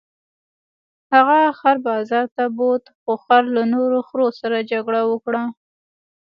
هغه خر بازار ته بوت خو خر له نورو خرو سره جګړه وکړه.